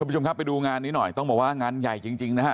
ผู้ชมครับไปดูงานนี้หน่อยต้องบอกว่างานใหญ่จริงนะฮะ